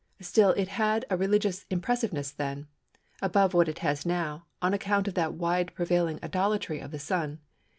Still it had a religious impressiveness then, above what it has now, on account of that wide prevailing idolatry of the Sun.